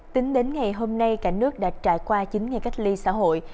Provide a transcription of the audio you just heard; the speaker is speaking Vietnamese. tính đến ngày hôm nay cả nước đã trải qua chín ngày cách ly xã hội